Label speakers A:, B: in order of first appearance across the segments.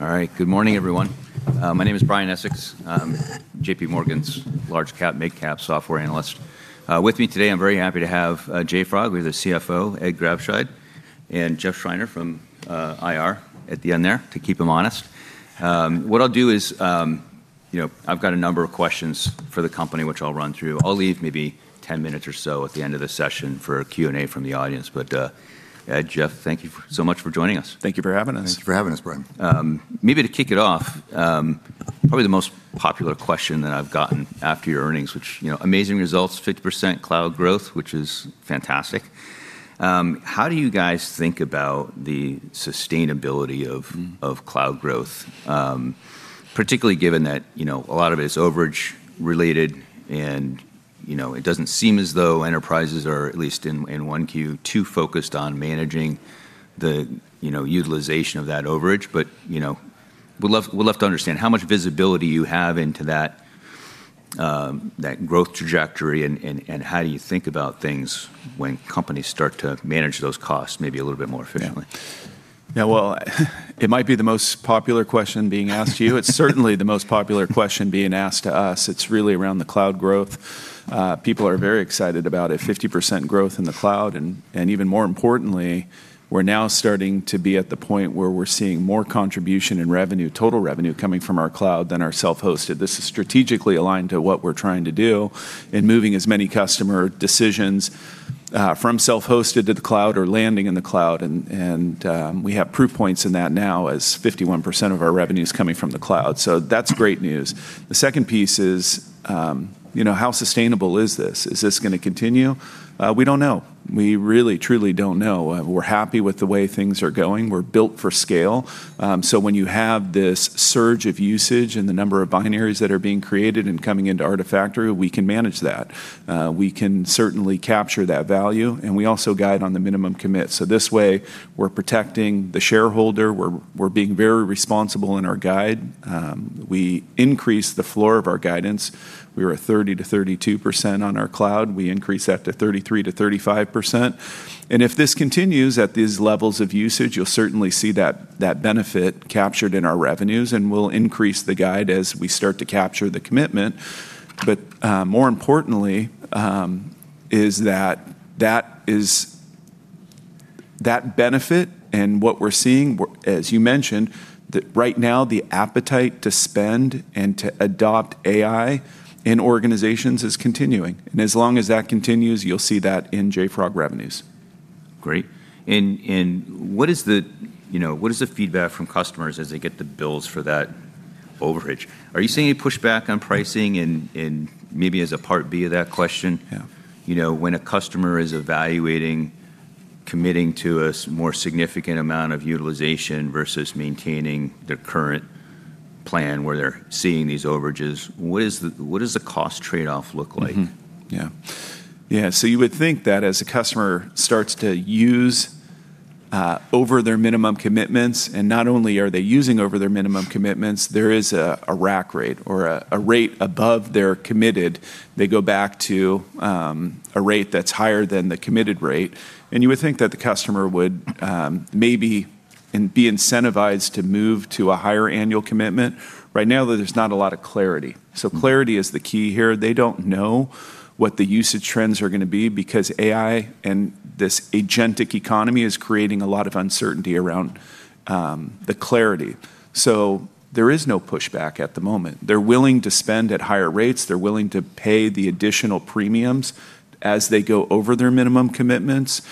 A: All right. Good morning, everyone. My name is Brian Essex. I'm JPMorgan's Large Cap, Mid Cap Software Analyst. With me today, I'm very happy to have JFrog, we have the CFO, Ed Grabscheid, and Jeff Schreiner from IR at the end there to keep him honest. What I'll do is, you know, I've got a number of questions for the company, which I'll run through. I'll leave maybe 10 minutes or so at the end of the session for a Q&A from the audience. Ed, Jeff, thank you so much for joining us.
B: Thank you for having us.
C: Thanks for having us, Brian.
A: Maybe to kick it off, probably the most popular question that I've gotten after your earnings, which, you know, amazing results, 50% cloud growth, which is fantastic. How do you guys think about the sustainability of cloud growth? Particularly given that, you know, a lot of it's overage related and, you know, it doesn't seem as though enterprises are at least in 1Q too focused on managing the, you know, utilization of that overage. You know, I would love to understand how much visibility you have into that growth trajectory, and how do you think about things when companies start to manage those costs, maybe a little bit more efficiently?
B: Yeah, well, it might be the most popular question being asked to you. It's certainly the most popular question being asked to us. It's really around the cloud growth. People are very excited about a 50% growth in the cloud, and even more importantly, we're now starting to be at the point where we're seeing more contribution in revenue, total revenue coming from our cloud than our self-hosted. This is strategically aligned to what we're trying to do in moving as many customer decisions from self-hosted to the cloud or landing in the cloud, and we have proof points in that now, as 51% of our revenue is coming from the cloud. That's great news. The second piece is, you know, how sustainable is this? Is this gonna continue? We don't know. We really, truly don't know. We're happy with the way things are going. We're built for scale. When you have this surge of usage and the number of binaries that are being created and coming into Artifactory, we can manage that. We can certainly capture that value, and we also guide on the minimum commit. This way, we're protecting the shareholder. We're being very responsible in our guide. We increase the floor of our guidance. We were 30%-32% on our cloud. We increase that to 33%-35%. If this continues at these levels of usage, you'll certainly see that benefit captured in our revenues, and we'll increase the guide as we start to capture the commitment. More importantly, is that benefit and what we're seeing as you mentioned, the right now the appetite to spend and to adopt AI in organizations is continuing. As long as that continues, you'll see that in JFrog revenues.
A: Great. What is the, you know, what is the feedback from customers as they get the bills for that overage? Are you seeing any pushback on pricing, in maybe as part B of that question?
B: Yeah.
A: You know, when a customer is evaluating committing to a more significant amount of utilization versus maintaining their current plan where they're seeing these overages, what does the cost trade-off look like?
B: You would think that as a customer starts to use over their minimum commitments, and not only are they using over their minimum commitments, there is a rack rate or a rate above their committed. They go back to a rate that's higher than the committed rate, and you would think that the customer would maybe be incentivized to move to a higher annual commitment. Right now, there's not a lot of clarity. Clarity is the key here. They don't know what the usage trends are gonna be because AI and this agentic economy is creating a lot of uncertainty around the clarity. There is no pushback at the moment. They're willing to spend at higher rates. They're willing to pay the additional premiums as they go over their minimum commitments.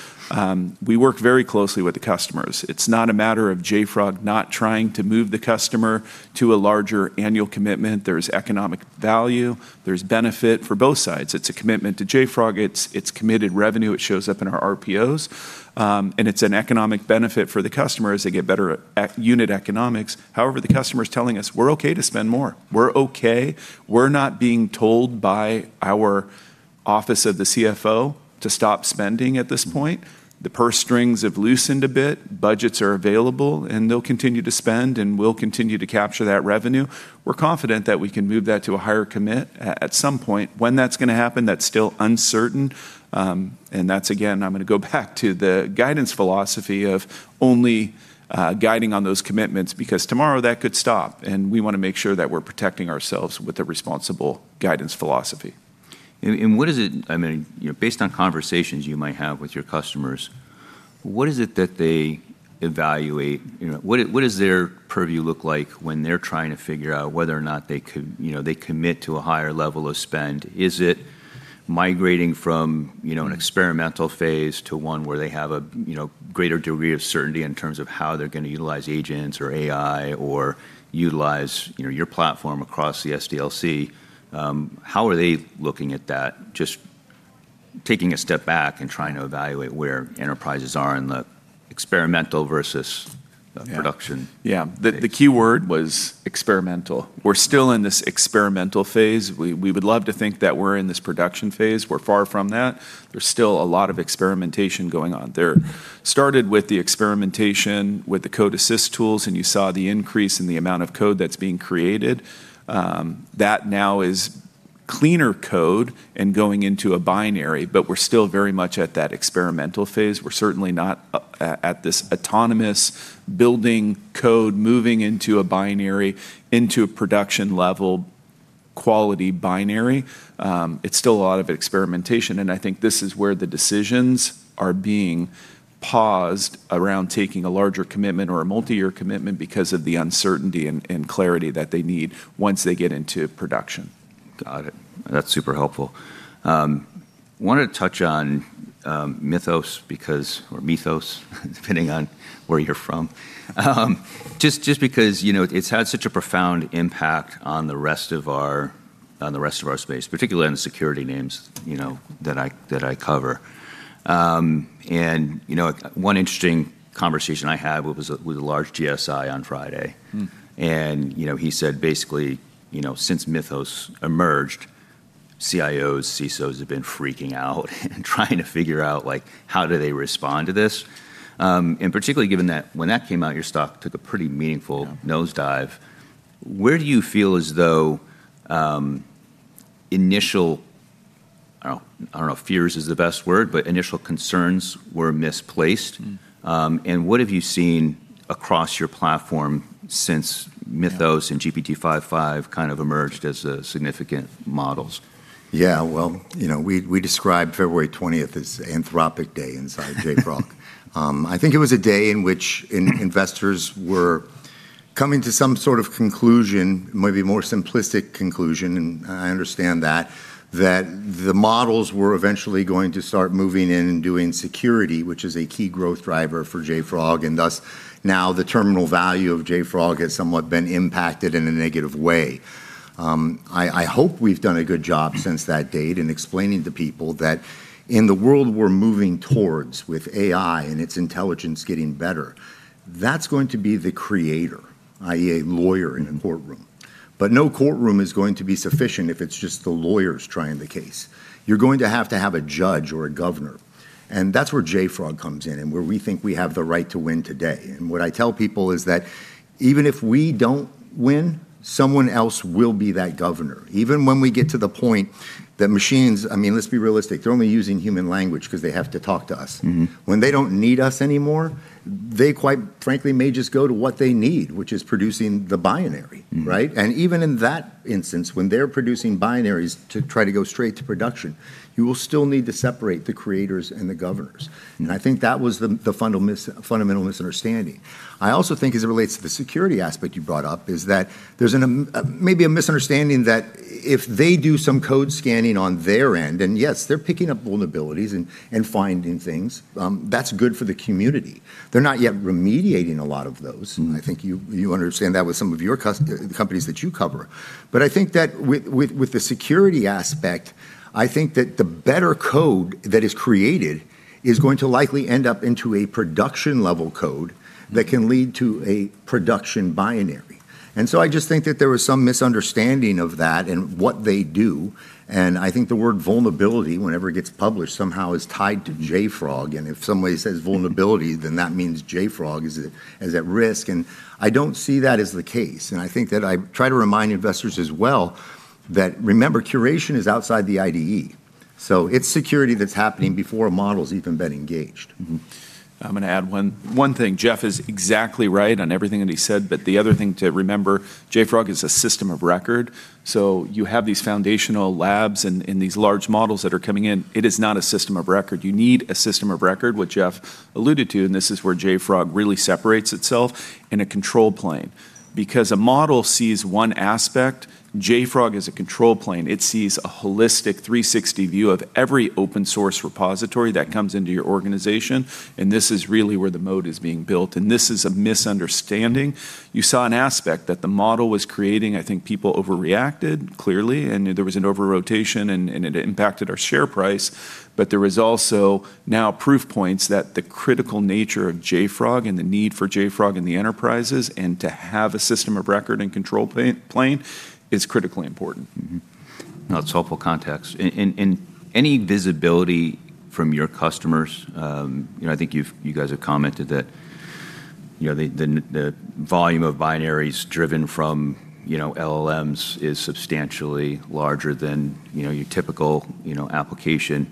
B: We work very closely with the customers. It's not a matter of JFrog not trying to move the customer to a larger annual commitment. There's economic value. There's a benefit for both sides. It's a commitment to JFrog. It's committed revenue. It shows up in our RPOs. And it's an economic benefit for the customer as they get better at unit economics. However, the customer is telling us, "We're okay to spend more. We're okay. We're not being told by our office of the CFO to stop spending at this point. The purse strings have loosened a bit, budgets are available, they'll continue to spend, and we'll continue to capture that revenue. We're confident that we can move that to a higher commit at some point. When that's going to happen, that's still uncertain. That's again, I'm going to go back to the guidance philosophy of only guiding on those commitments because tomorrow that could stop, and we want to make sure that we're protecting ourselves with a responsible guidance philosophy.
A: What is it I mean, you know, based on conversations you might have with your customers, what is it that they evaluate? You know, what does their purview look like when they're trying to figure out whether or not they could, you know, they commit to a higher level of spend? Is it migrating from, you know, an experimental phase to one where they have a, you know, greater degree of certainty in terms of how they're gonna utilize agents or AI or utilize, you know, your platform across the SDLC? How are they looking at that? Just taking a step back and trying to evaluate where enterprises are in the experimental versus-
B: Yeah.
A: production.
B: Yeah. The keyword was experimental. We're still in this experimental phase. We would love to think that we're in this production phase. We're far from that. There's still a lot of experimentation going on there. Started with the experimentation with the code assist tools, and you saw the increase in the amount of code that's being created. That is now cleaner code and going into a binary, but we're still very much at that experimental phase. We're certainly not at this autonomous building code, moving into a binary, into a production-level quality binary. It's still a lot of experimentation, and I think this is where the decisions are being paused around taking a larger commitment or a multi-year commitment because of the uncertainty and clarity that they need once they get into production.
A: Got it. That's super helpful. Wanted to touch on MLOps because or MLOps, depending on where you're from. Just because, you know, it's had such a profound impact on the rest of our space, particularly on the security names, you know, that I cover. You know, one interesting conversation I had was with a large GSI on Friday. You know, he said basically, you know, since MLOps emerged, CIOs, CISOs have been freaking out and trying to figure out, like, how do they respond to this. particularly given that when that came out, your stock took a pretty meaningful.
B: Yeah.
A: Nosedive. Where do you feel as though, initial, I don't know if fears is the best word, but initial concerns were misplaced? What have you seen across your platform since MLOps?
B: Yeah
A: GPT-5 kind of emerged as a significant model?
C: Yeah. Well, you know, we describe February 20th as Anthropic Day inside JFrog. I think it was a day in which investors were coming to some sort of conclusion, maybe a more simplistic conclusion, and I understand that the models were eventually going to start moving in and doing security, which is a key growth driver for JFrog, and thus, now the terminal value of JFrog has somewhat been impacted in a negative way. I hope we've done a good job since that date in explaining to people that in the world we're moving towards with AI and its intelligence getting better, that's going to be the creator, i.e., a lawyer in a courtroom. No courtroom is going to be sufficient if it's just the lawyers trying the case. You're going to have to have a judge or a governor, and that's where JFrog comes in, and where we think we have the right to win today. What I tell people is that even if we don't win, someone else will be that governor. Even when we get to the point that machines, I mean, let's be realistic. They're only using human language because they have to talk to us. When they don't need us anymore, they quite frankly may just go to what they need, which is producing the binary, right? Even in that instance, when they're producing binaries to try to go straight to production, you will still need to separate the creators and the governors. I think that was the fundamental misunderstanding. I also think, as it relates to the security aspect you brought up, is that there's a misunderstanding that if they do some code scanning on their end, and yes, they're picking up vulnerabilities and finding things, that's good for the community. They're not yet remediating a lot of those. I think you understand that with some of your companies that you cover. I think that with the security aspect, I think that the better code that is created is going to likely end up into a production-level code that can lead to a production binary. I just think that there was some misunderstanding of that and what they do, and I think the word vulnerability, whenever it gets published, somehow is tied to JFrog, and if somebody says vulnerability, then that means JFrog is at risk, and I don't see that as the case. I think that I try to remind investors as well that remember curation is outside the IDE, so it's security that's happening before a model's even been engaged.
B: I'm going to add one thing. Jeff is exactly right on everything that he said, but the other thing to remember, JFrog is a system of record, so you have these foundational labs and these large models that are coming in. It is not a system of record. You need a system of record, which Jeff alluded to, and this is where JFrog really separates itself in a control plane. A model sees one aspect: JFrog is a control plane. It sees a holistic 360 view of every open source repository that comes into your organization, and this is really where the model is being built, and this is a misunderstanding. You saw an aspect that the model was creating. I think people overreacted, clearly, and there was an over-rotation, and it impacted our share price. There is also now proof points that the critical nature of JFrog and the need for JFrog in the enterprises, and to have a system of record and control plane is critically important.
A: Mm-hmm. No, it's a helpful context. Any visibility from your customers, you know, I think you've, you guys have commented that, you know, the volume of binaries driven from, you know, LLMs is substantially larger than, you know, your typical, you know, application.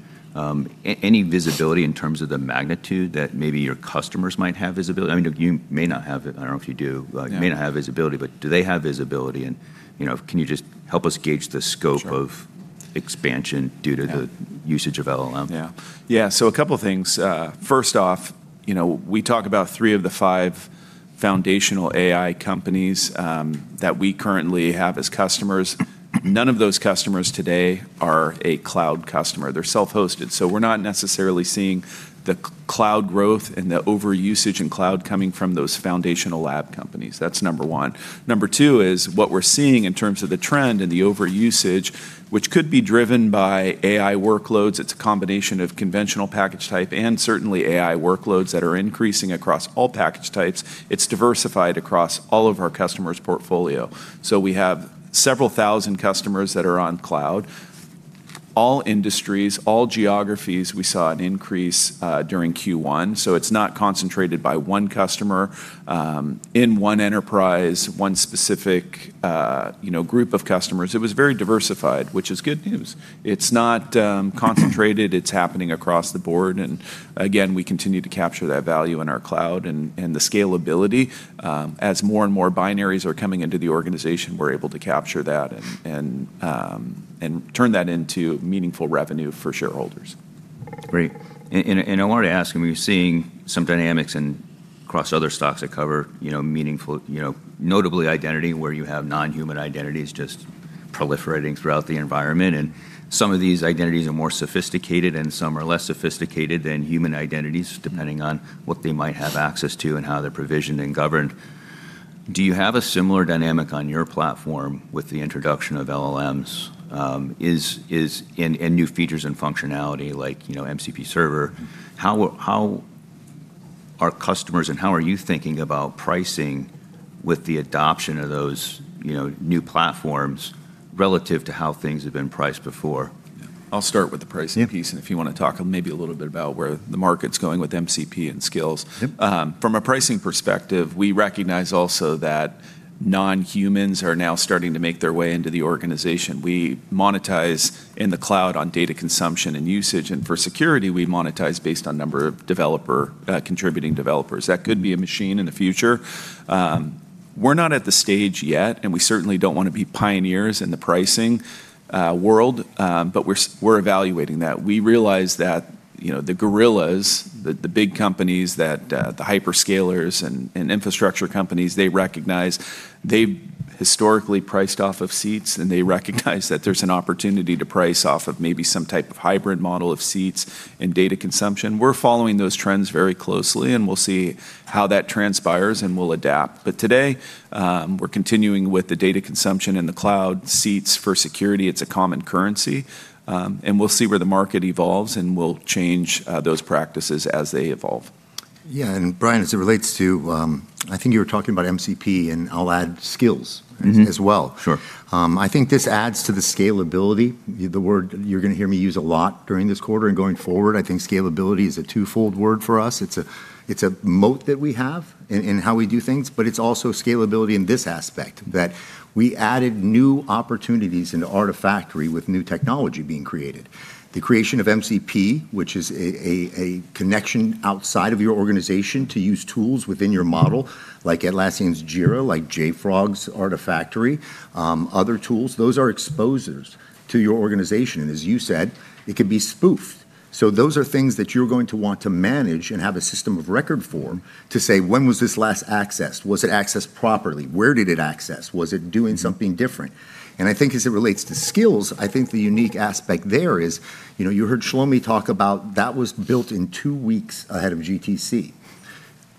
A: Any visibility in terms of the magnitude that maybe your customers might have visibility? I mean, you may not have it. I don't know if you do.
B: Yeah.
A: You may not have visibility, but do they have visibility, and, you know, can you just help us gauge the scope?
B: Sure.
A: Expansion due to the-
B: Yeah,
A: usage of LLM?
B: Yeah. Yeah. A couple of things. First off, you know, we talk about three of the five foundational AI companies that we currently have as customers. None of those customers today are a cloud customer. They're self-hosted. We're not necessarily seeing the cloud growth and the overusage in cloud coming from those foundational lab companies. That's number one. Number two is what we're seeing in terms of the trend and the overusage, which could be driven by AI workloads, it's a combination of conventional package type and certainly AI workloads that are increasing across all package types. It's diversified across all of our customers' portfolios. We have several thousand customers that are on cloud. All industries, all geographies, we saw an increase during Q1. It's not concentrated by one customer in one enterprise, one specific, you know, group of customers. It was very diversified, which is good news. It's not concentrated. It's happening across the board. Again, we continue to capture that value in our cloud and the scalability. As more and more binaries are coming into the organization, we're able to capture that and turn that into meaningful revenue for shareholders.
A: Great. I wanted to ask, we've seen some dynamics in across other stocks that cover, you know, meaningful, you know, notably identity, where you have non-human identities just proliferating throughout the environment. Some of these identities are more sophisticated, and some are less sophisticated than human identities, depending on what they might have access to and how they're provisioned and governed. Do you have a similar dynamic on your platform with the introduction of LLMs and new features and functionality like, you know, MCP Server? How are customers, and how are you thinking about pricing with the adoption of those, you know, new platforms relative to how things have been priced before?
B: I'll start with the pricing piece.
A: Yeah.
B: If you wanna talk, maybe a little bit about where the market's going with MCP and skills.
A: Yep.
B: From a pricing perspective, we also recognize that non-humans are now starting to make their way into the organization. We monetize in the cloud on data consumption and usage, and for security, we monetize based on the number of developers contributing developers. That could be a machine in the future. We're not at the stage yet, and we certainly don't wanna be pioneers in the pricing world. We're evaluating that. We realize that, you know, the gorillas, the big companies that the hyperscalers and infrastructure companies. They've historically priced off of seats, and they recognize that there's an opportunity to price off of maybe some type of hybrid model of seats and data consumption. We're following those trends very closely, and we'll see how that transpires, and we'll adapt. Today, we're continuing with the data consumption in the cloud, seats for security, it's a common currency. We'll see where the market evolves, and we'll change those practices as they evolve.
C: Yeah. Brian, as it relates to, I think you were talking about MCP, and I will add scale as well.
A: Sure.
C: I think this adds to the scalability. The word you're gonna hear me use a lot during this quarter and going forward, I think scalability is a twofold word for us. It's a moat that we have in how we do things, but it's also scalability in this aspect, that we added new opportunities into Artifactory with new technology being created. The creation of MCP, which is a connection outside of your organization to use tools within your model, like Atlassian's Jira, like JFrog's Artifactory, other tools, those are exposures to your organization. As you said, it could be spoofed. Those are things that you're going to want to manage and have a system of record for to say, "When was this last accessed? Was it accessed properly? Where did it access? Was it doing something different?" I think as it relates to skills, I think the unique aspect there is, you know, you heard Shlomi talk about that was built in two weeks ahead of GTC.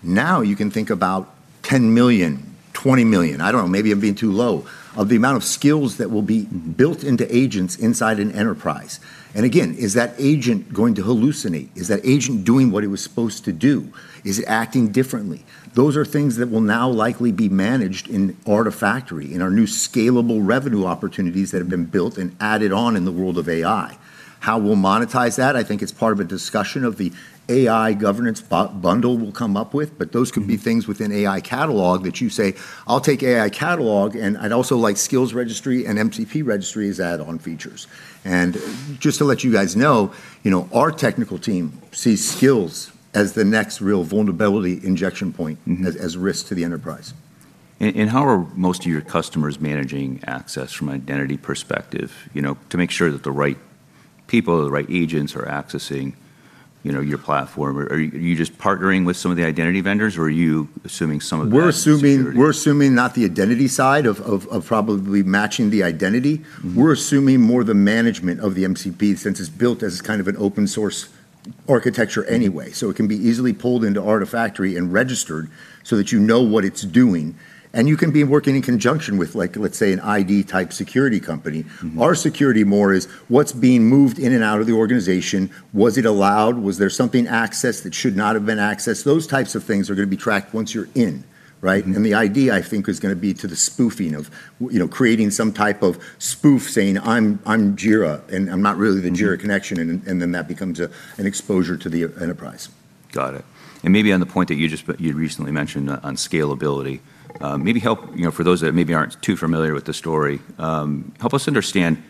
C: You can think about $10 million, $20 million, I don't know, maybe I'm being too low, of the amount of skills that will be built into agents inside an enterprise. Again, is that agent going to hallucinate? Is that agent doing what it was supposed to do? Is it acting differently? Those are things that will now likely be managed in Artifactory, in our new scalable revenue opportunities that have been built and added on in the world of AI. How we'll monetize that, I think, is part of a discussion of the AI governance bundle we'll come up with. Those could be things within AI Catalog that you say, "I'll take AI Catalog, and I'd also like Skills Registry and MCP Registry as add-on features." Just to let you guys know, our technical team sees skills as the next real vulnerability injection point, as a risk to the enterprise.
A: How are most of your customers managing access from an identity perspective, you know, to make sure that the right people or the right agents are accessing, you know, your platform? Are you just partnering with some of the identity vendors, or are you assuming some of that security?
C: We're assuming not the identity side of probably matching the identity. We're assuming more than the management of the MCP since it's built as kind of an open source architecture anyway, so it can be easily pulled into Artifactory and registered so that you know what it's doing. You can be working in conjunction with like, let's say, an ID-type security company. Our security more is what's being moved in and out of the organization. Was it allowed? Was there something accessed that should not have been accessed? Those types of things are gonna be tracked once you're in, right? The ID, I think, is gonna be to the spoofing of, you know, creating some type of spoof saying, "I'm Jira, and I'm not really the Jira connection. Then that becomes an exposure to the enterprise.
A: Got it. Maybe on the point that you just you recently mentioned on scalability, maybe help, you know, for those that maybe aren't too familiar with the story, help us understand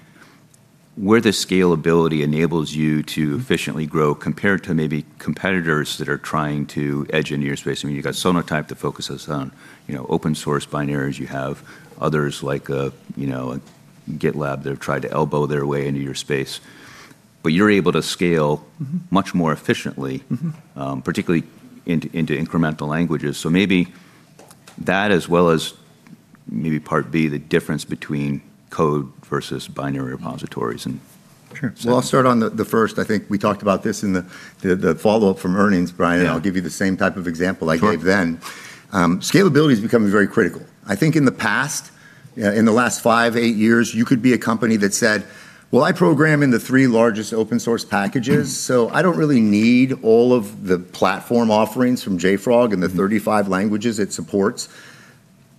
A: where the scalability enables you to efficiently grow compared to maybe competitors that are trying to edge into your space. I mean, you've got Sonatype that focuses on, you know, open source binaries. You have others like, you know, GitLab that have tried to elbow their way into your space. You're able to scale much more efficiently. Particularly into incremental languages. Maybe that, as well as maybe part B, the difference between code versus binary repositories.
C: Sure.
B: Well, I'll start on the first. I think we talked about this in the follow-up from earnings, Brian.
A: Yeah.
B: I'll give you the same type of example I gave then.
A: Sure.
B: Scalability is becoming very critical. I think in the past, in the last five to eight years, you could be a company that said, "Well, I program in the three largest open source packages. I don't really need all of the platform offerings from JFrog and the 35 languages it supports.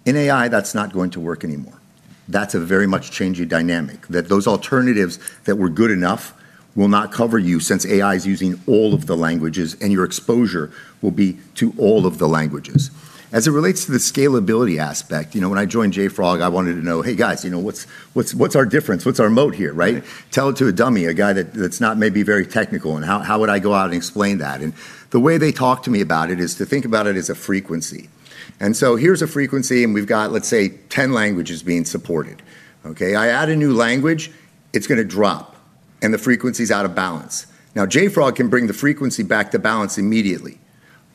C: In AI, that's not going to work anymore. That's a very much changing dynamic, that those alternatives that were good enough will not cover you, since AI is using all of the languages, and your exposure will be to all of the languages. As it relates to the scalability aspect, you know, when I joined JFrog, I wanted to know, "Hey, guys, you know, what's our difference? What's our moat here, right?
A: Yeah.
C: Tell it to a dummy, a guy that's not maybe very technical, and how would I go out and explain that? The way they talked to me about it is to think about it as a frequency. Here's a frequency, and we've got, let's say, 10 languages being supported, okay? I add a new language, it's gonna drop, and the frequency's out of balance. Now, JFrog can bring the frequency back to balance immediately.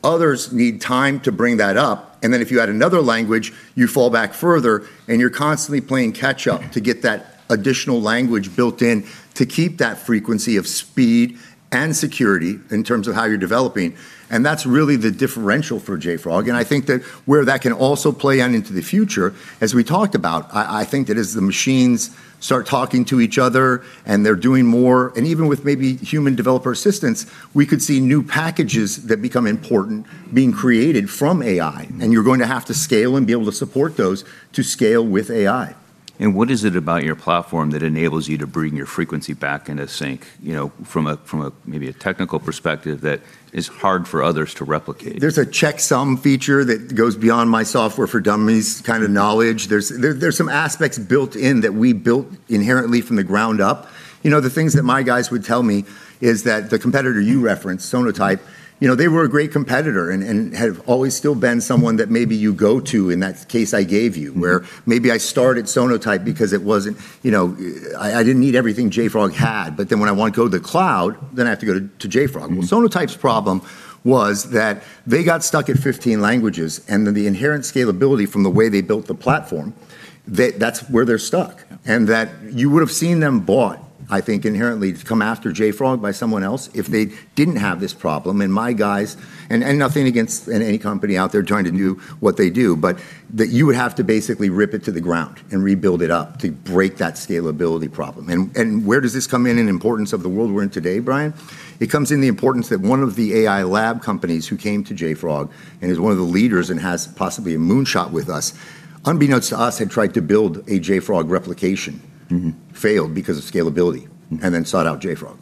C: Others need time to bring that up, and then if you add another language, you fall back further, and you're constantly playing catch-up to get that additional language built in to keep that frequency of speed and security in terms of how you're developing, and that's really the differential for JFrog. I think that where that can also play out into the future, as we talked about, I think that as the machines start talking to each other and they're doing more, and even with maybe human developer assistance, we could see new packages that become important being created from AI. You're going to have to scale and be able to support those to scale with AI.
A: What is it about your platform that enables you to bring your frequency back into sync, you know, from a, from a, maybe a technical perspective that is hard for others to replicate?
C: There's a checksum feature that goes beyond my software for dummies kind of knowledge. There's some aspects built in that we built inherently from the ground up. You know, the things that my guys would tell me is that the competitor you referenced, Sonatype, you know, they were a great competitor and have always still been someone that maybe you go to in that case I gave you, where maybe I started Sonatype because it wasn't, you know I didn't need everything JFrog had, but then when I want to go to the cloud, then I have to go to JFrog. Sonatype's problem was that they got stuck at 15 languages, and then the inherent scalability from the way they built the platform, they, that's where they're stuck.
A: Yeah.
C: That you would've seen them bought, I think, inherently to come after JFrog by someone else if they didn't have this problem. My guys, nothing against any company out there trying to do what they do, but that you would have to basically rip it to the ground and rebuild it up to break that scalability problem. Where does this come in in importance of the world we're in today, Brian? It comes in the importance that one of the AI lab companies who came to JFrog and is one of the leaders and has possibly a moonshot with us, unbeknownst to us, had tried to build a JFrog replication, failed because of scalability. Then sought out JFrog.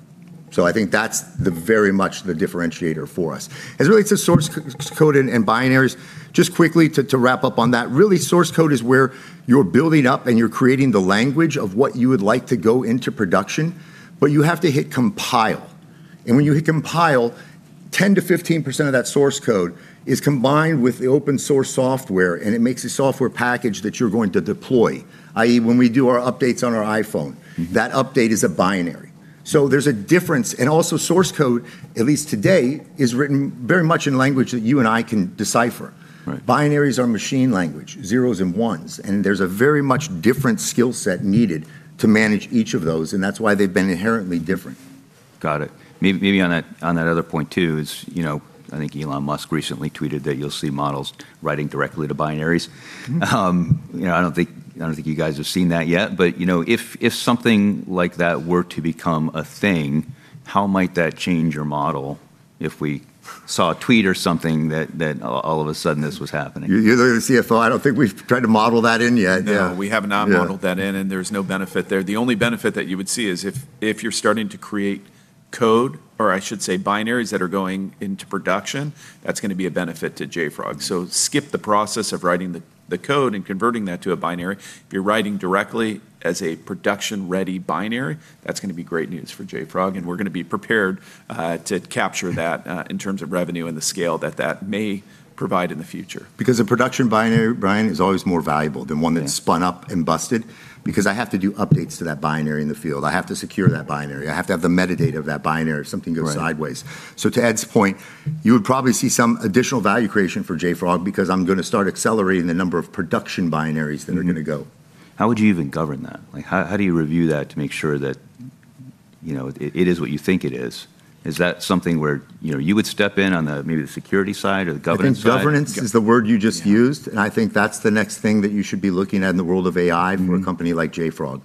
C: I think that's the very much the differentiator for us. As it relates to source code and binaries, just quickly to wrap up on that, really, source code is where you're building up, and you're creating the language of what you would like to go into production, but you have to hit compile. When you hit compile, 10%-15% of that source code is combined with the open source software, and it makes a software package that you're going to deploy, i.e., when we do our updates on our iPhone. That update is a binary. There's a difference. Also, source code, at least today, is written very much in a language that you and I can decipher.
A: Right.
C: Binaries are machine language, zeros and ones, and there's a very much different skill set needed to manage each of those, and that's why they've been inherently different.
A: Got it. Maybe on that other point, too, is, you know, I think Elon Musk recently tweeted that you'll see models writing directly to binaries. You know, I don't think you guys have seen that yet, but, you know, if something like that were to become a thing, how might that change your model, if we saw a tweet or something that all of a sudden this was happening?
C: You look to the CFO. I don't think we've tried to model that in yet.
B: No.
C: Yeah.
B: We have not-.
C: Yeah
B: modeled that in. There's no benefit there. The only benefit that you would see is if you're starting to create code, or I should say binaries that are going into production, that's gonna be a benefit to JFrog. Skip the process of writing the code and converting that to a binary. If you're writing directly as a production-ready binary, that's gonna be great news for JFrog, and we're gonna be prepared to capture that in terms of revenue and the scale that that may provide in the future.
C: Because a production binary, Brian, is always more valuable than one.
B: Yeah
C: That's spun up and busted because I have to do updates to that binary in the field. I have to secure that binary. I have to have the metadata of that binary if something goes sideways.
B: Right.
C: To Ed's point, you would probably see some additional value creation for JFrog because I'm gonna start accelerating the number of production binaries that are gonna go.
A: How would you even govern that? Like, how do you review that to make sure that, you know, it is what you think it is? Is that something where, you know, you would step in on the, maybe the security side or the governance side?
C: I think governance is the word you just used.
B: Yeah
C: I think that's the next thing that you should be looking at in the world of AI for a company like JFrog.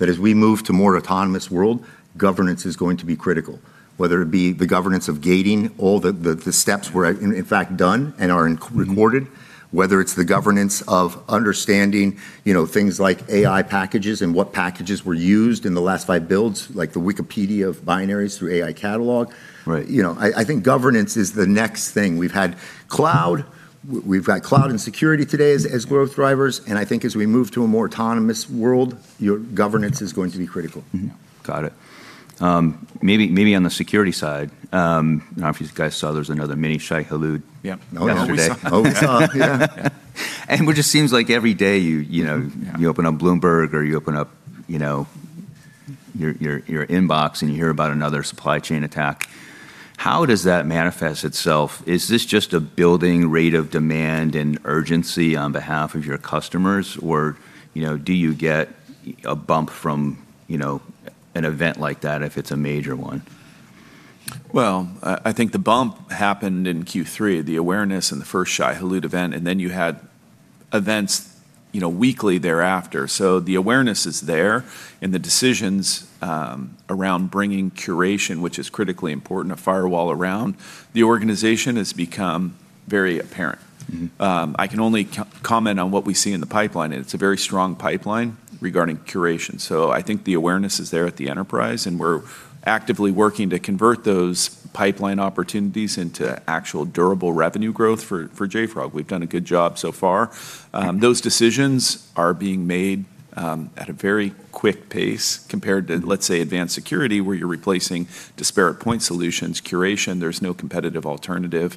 C: As we move to a more autonomous world, governance is going to be critical, whether it be the governance of gating all the steps are in fact done and recorded, whether it's the governance of understanding, you know, things like AI packages and what packages were used in the last five builds, like the Wikipedia of binaries through AI catalog.
A: Right.
C: You know, I think governance is the next thing. We've had cloud. We've got cloud and security today as growth drivers. I think as we move to a more autonomous world, your governance is going to be critical.
A: Mm-hmm. Got it. Maybe on the security side, I don't know if you guys saw, there's another mini Shai-Hulud.
B: Yeah.
C: Oh, we saw.
B: Oh, we saw. Yeah.
A: It just seems like every day, you know.
C: Yeah.
A: You open up Bloomberg, or you open up, you know, your inbox, and you hear about another supply chain attack. How does that manifest itself? Is this just a building rate of demand and urgency on behalf of your customers? You know, do you get a bump from, you know, an event like that if it's a major one?
B: Well, I think the bump happened in Q3, the awareness and the first Shai-Hulud event, and then you had events, you know, weekly thereafter. The awareness is there, and the decisions around bringing curation, which is critically important, a firewall around the organization has become very apparent. I can only comment on what we see in the pipeline. It's a very strong pipeline regarding curation. I think the awareness is there at the enterprise. We're actively working to convert those pipeline opportunities into actual durable revenue growth for JFrog. We've done a good job so far. Those decisions are being made at a very quick pace compared to, let's say, advanced security, where you're replacing disparate point solutions. Curation, there's no competitive alternative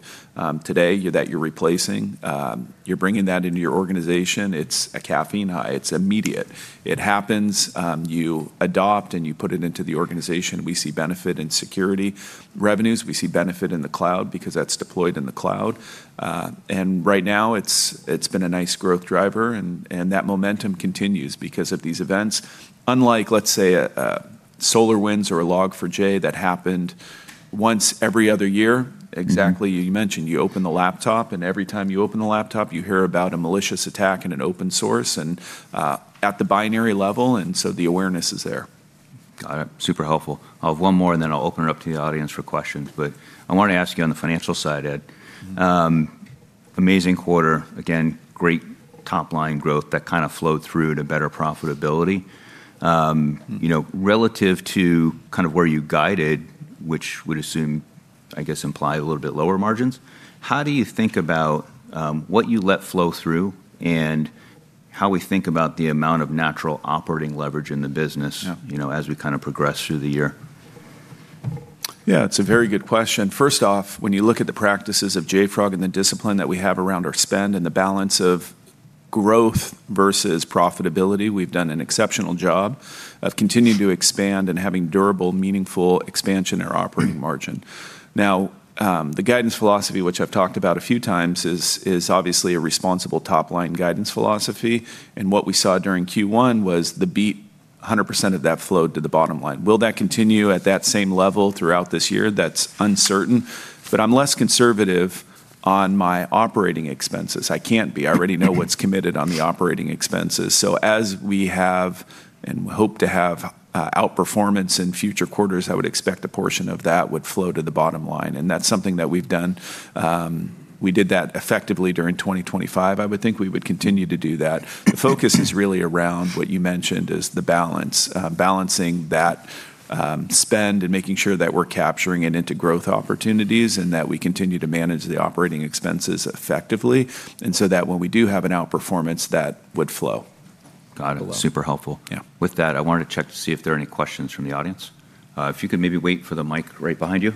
B: today that you're replacing. You're bringing that into your organization. It's a caffeine high. It's immediate. It happens, you adopt, and you put it into the organization. We see benefit in security revenues. We see benefit in the cloud because that's deployed in the cloud. Right now, it's been a nice growth driver, and that momentum continues because of these events. Unlike, let's say, a SolarWinds or a Log4j that happened once every other year. Exactly what you mentioned. You open the laptop, and every time you open the laptop, you hear about a malicious attack in an open source and at the binary level, and so the awareness is there.
A: Got it. Super helpful. I have one more, and then I'll open it up to the audience for questions. I wanted to ask you on the financial side, Ed. Amazing quarter. Again, great top-line growth that kind of flowed through to better profitability. You know, relative to kind of where you guided, which would assume, I guess, imply a little bit lower margins, how do you think about what you let flow through and how we think about the amount of natural operating leverage in the business?
B: Yeah.
A: You know, as we kind of progress through the year?
B: Yeah, it's a very good question. First off, when you look at the practices of JFrog and the discipline that we have around our spend and the balance of growth versus profitability, we've done an exceptional job of continuing to expand and having durable, meaningful expansion in our operating margin. Now, the guidance philosophy, which I've talked about a few times, is obviously a responsible top-line guidance philosophy. What we saw during Q1 was the beat 100% of that flowed to the bottom line. Will that continue at that same level throughout this year? That's uncertain. I'm less conservative on my operating expenses. I can't be. I already know what's committed on the operating expenses. As we have, and hope to have, outperformance in future quarters, I would expect a portion of that would flow to the bottom line, and that's something that we've done. We did that effectively during 2025. I would think we would continue to do that. The focus is really around what you mentioned is the balance, balancing that spend and making sure that we're capturing it into growth opportunities and that we continue to manage the operating expenses effectively, that when we do have an outperformance, that would flow.
A: Got it.
B: Below.
A: Super helpful.
B: Yeah.
A: With that, I wanted to check to see if there are any questions from the audience. If you could maybe wait for the mic right behind you.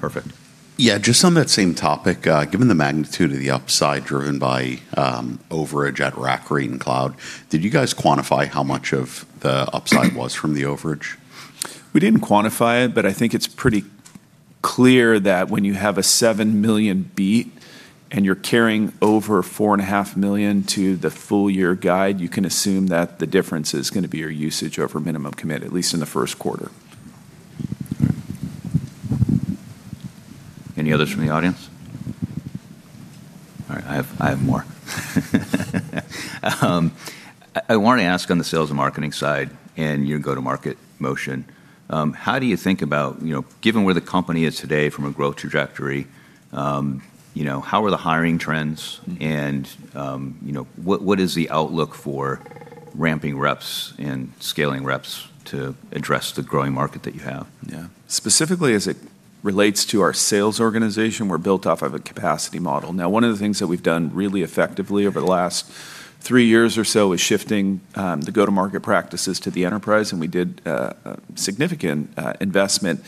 A: Perfect.
D: Yeah, just on that same topic, given the magnitude of the upside driven by overage at rack rate and cloud, did you guys quantify how much of the upside was from the overage?
B: We didn't quantify it, but I think it's pretty clear that when you have a $7 million beat, and you're carrying over $4.5 million to the full year guide, you can assume that the difference is gonna be your usage over minimum commit, at least in the first quarter.
A: Any others from the audience? All right, I have more. I want to ask on the sales and marketing side and your go-to-market motion, how do you think about, you know, given where the company is today, from a growth trajectory, you know, how are the hiring trends? You know, what is the outlook for ramping reps and scaling reps to address the growing market that you have?
B: Yeah. Specifically, as it relates to our sales organization, we're built off of a capacity model. One of the things that we've done really effectively over the last three years or so is shifting the go-to-market practices to the enterprise, and we did a significant investment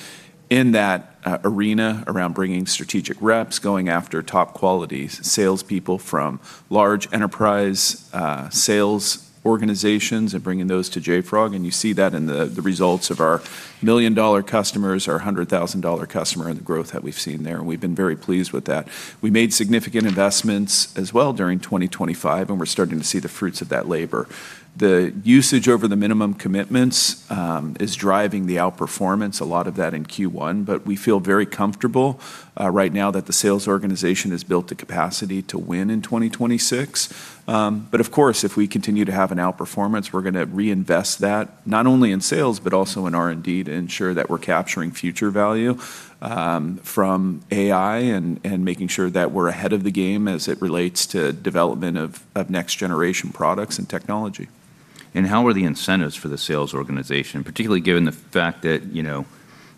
B: in that arena around bringing strategic reps, going after top-quality salespeople from large enterprise sales organizations, and bringing those to JFrog. You see that in the results of our $1 million-dollar customers, our $100,000 customer, and the growth that we've seen there. We've been very pleased with that. We made significant investments as well during 2025, and we're starting to see the fruits of that labor. The usage over the minimum commitments is driving the outperformance, a lot of that in Q1. We feel very comfortable right now that the sales organization has built the capacity to win in 2026. Of course, if we continue to have an outperformance, we're gonna reinvest that, not only in sales, but also in R&D to ensure that we're capturing future value from AI and making sure that we're ahead of the game as it relates to development of next-generation products and technology.
A: How are the incentives for the sales organization, particularly given the fact that, you know,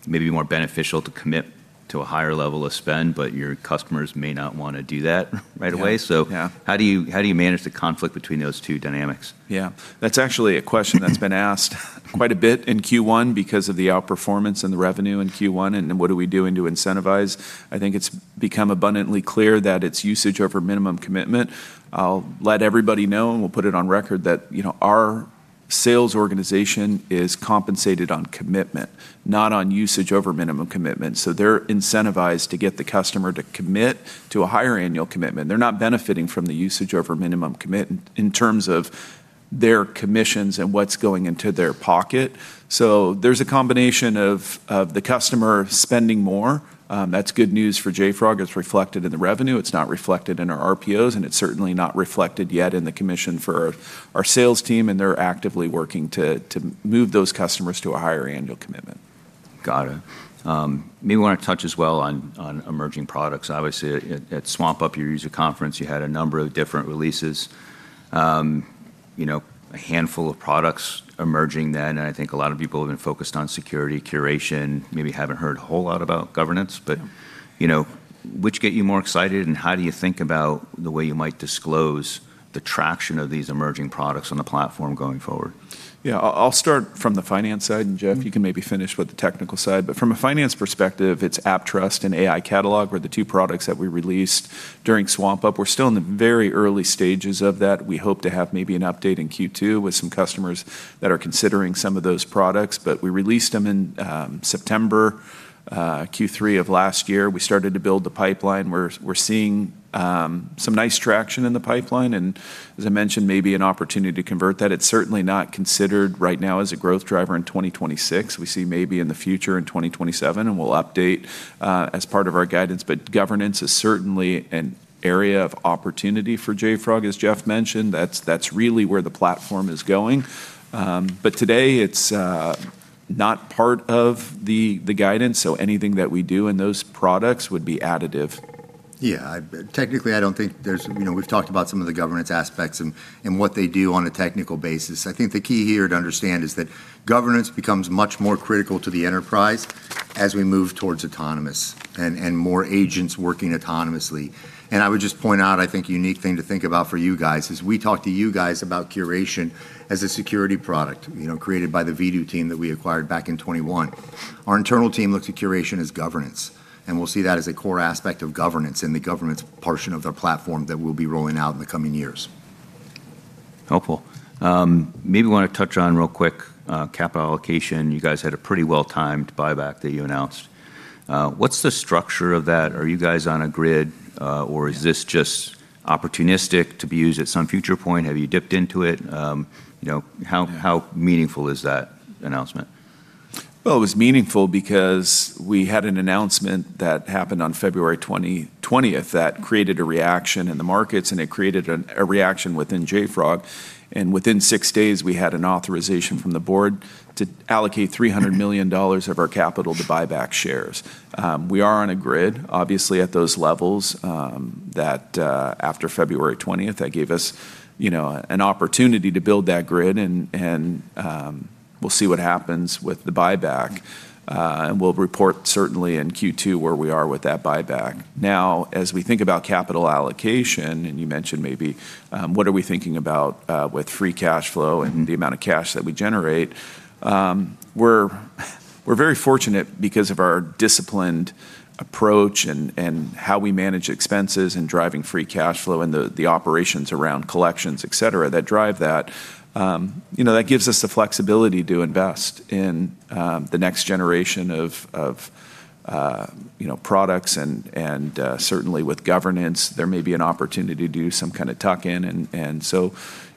A: it may be more beneficial to commit to a higher level of spend, but your customers may not wanna do that right away?
B: Yeah, yeah.
A: How do you manage the conflict between those two dynamics?
B: Yeah. That's actually a question that's been asked quite a bit in Q1 because of the outperformance and the revenue in Q1, and what do we do and to incentivize. I think it's become abundantly clear that its usage is over minimum commitment. I'll let everybody know, and we'll put it on record that, you know, our sales organization is compensated on commitment, not on usage over minimum commitment. They're incentivized to get the customer to commit to a higher annual commitment. They're not benefiting from the usage over the minimum commit in terms of their commissions and what's going into their pocket. There's a combination of the customer spending more. That's good news for JFrog. It's reflected in the revenue. It's not reflected in our RPOs, and it's certainly not reflected yet in the commission for our sales team, and they're actively working to move those customers to a higher annual commitment.
A: Got it. Maybe want to touch as well on emerging products. Obviously, at swampUP, your user conference, you had a number of different releases. You know, a handful of products emerging then, and I think a lot of people have been focused on security curation, maybe haven't heard a whole lot about governance.
B: Yeah.
A: You know, which gets you more excited, and how do you think about the way you might disclose the traction of these emerging products on the platform going forward?
B: Yeah, I'll start from the finance side. Jeff, you can maybe finish with the technical side. From a finance perspective, it's AppTrust and AI Catalog were the two products that we released during swampUP. We're still in the very early stages of that. We hope to have maybe an update in Q2 with some customers that are considering some of those products. We released them in September, Q3 of last year. We started to build the pipeline. We're seeing some nice traction in the pipeline and, as I mentioned, maybe an opportunity to convert that. It's certainly not considered right now as a growth driver in 2026. We see maybe in the future in 2027, and we'll update as part of our guidance. Governance is certainly an area of opportunity for JFrog, as Jeff mentioned. That's really where the platform is going. Today, it's not part of the guidance, so anything that we do in those products would be additive.
C: You know, we've talked about some of the governance aspects and what they do on a technical basis. I think the key here to understand is that governance becomes much more critical to the enterprise as we move towards autonomous and more agents working autonomously. I would just point out, I think, a unique thing to think about for you guys is we talk to you guys about curation as a security product, you know, created by the Vdoo team that we acquired back in 2021. Our internal team looks at curation as governance, and we'll see that as a core aspect of governance in the governance portion of their platform that we'll be rolling out in the coming years.
A: Helpful. Maybe wanna touch on real quick, capital allocation. You guys had a pretty well-timed buyback that you announced. What's the structure of that? Are you guys on a grid, or is this just opportunistic to be used at some future point? Have you dipped into it?
C: Yeah.
A: How meaningful is that announcement?
B: Well, it was meaningful because we had an announcement that happened on February 20th that created a reaction in the markets, and it created a reaction within JFrog, and within six days, we had an authorization from the board to allocate $300 million of our capital to buy back shares. We are on a grid, obviously, at those levels, that after February 20th, that gave us, you know, an opportunity to build that grid, and we'll see what happens with the buyback. We'll report certainly in Q2 where we are with that buyback. As we think about capital allocation, and you mentioned maybe, what are we thinking about with free cash flow? And the amount of cash that we generate, we're very fortunate because of our disciplined approach and how we manage expenses, and driving free cash flow and the operations around collections, et cetera, that drive that. You know, that gives us the flexibility to invest in the next generation of, you know, products, and certainly with governance, there may be an opportunity to do some kind of tuck-in.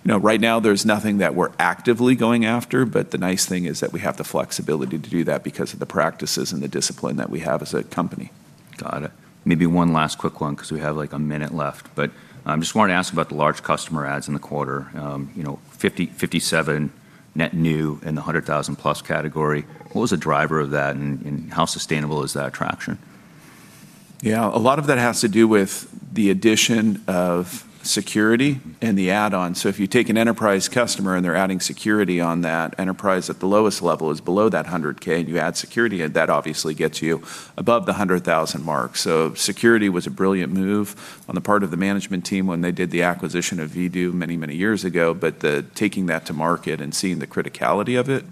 B: You know, right now, there's nothing that we're actively going after, but the nice thing is that we have the flexibility to do that because of the practices and the discipline that we have as a company.
A: Got it. Maybe one last quick one 'cause we have, like, a minute left. Just wanted to ask about the large customer adds in the quarter. You know, 50, 57 net new in the $100,000+ category. What was the driver of that, and how sustainable is that traction?
B: Yeah. A lot of that has to do with the addition of security and the add-on. If you take an enterprise customer and they're adding security on that, enterprise at the lowest level is below that $100,000, and you add security, and that obviously gets you above the $100,000 mark. Security was a brilliant move on the part of the management team when they did the acquisition of VDOO many, many years ago. The taking that to market and seeing the criticality of it,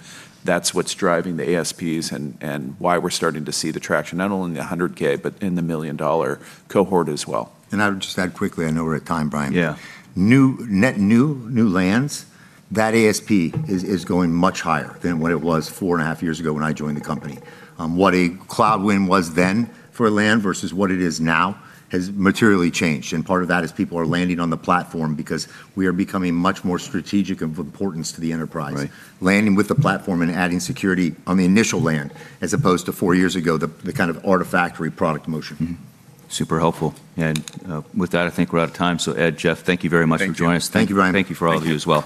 B: that's what's driving the ASPs and why we're starting to see the traction, not only in the $100,000, but in the million-dollar cohort as well.
C: I would just add quickly, I know we're at a time, Brian.
B: Yeah.
C: New Net new lands, that ASP is going much higher than what it was four and a half years ago when I joined the company. What a cloud win was then for land versus what it is now has materially changed. Part of that is that people are landing on the platform because we are becoming much more strategic of importance to the enterprise.
B: Right.
C: Landing with the platform and adding security on the initial land as opposed to four years ago, the kind of Artifactory product motion.
A: Super helpful. With that, I think we're out of time. Ed, Jeff, thank you very much for joining us.
B: Thank you.
C: Thank you, Brian.
A: Thank you for all of you as well.